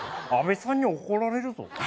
阿部さんに怒られるぞ。